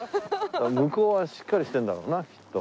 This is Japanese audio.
向こうはしっかりしてるんだろうなきっと。